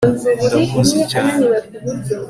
ndamuzi cyane